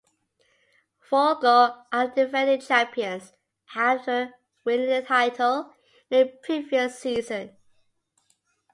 Folgore are the defending champions after winning the title in the previous season.